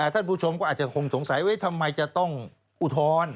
ท่านผู้ชมก็อาจจะคงสงสัยทำไมจะต้องอุทธรณ์